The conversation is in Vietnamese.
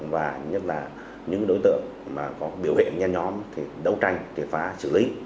và nhất là những đối tượng có biểu hiện nhanh nhóm đấu tranh kể phá xử lý